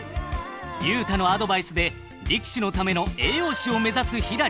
竜太のアドバイスで力士のための栄養士を目指すひらり。